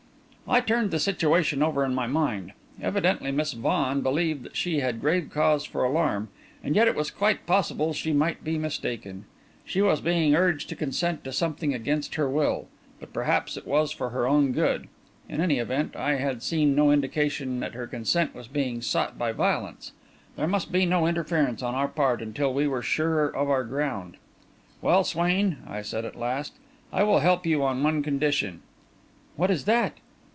I turned the situation over in my mind. Evidently Miss Vaughan believed that she had grave cause for alarm, and yet it was quite possible she might be mistaken. She was being urged to consent to something against her will, but perhaps it was for her own good. In any event, I had seen no indication that her consent was being sought by violence. There must be no interference on our part until we were surer of our ground. "Well, Swain," I said, at last, "I will help you on one condition." "What is that?"